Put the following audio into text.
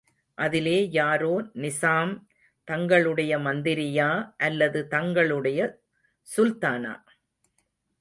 அதிலே யாரோ, நிசாம் தங்களுடைய மந்திரியா, அல்லது தங்களுடைய சுல்தானா?